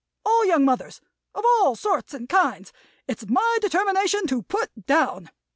All young mothers, of all sorts and kinds, it's my determination to Put Down.